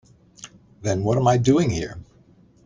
Then what am I doing here?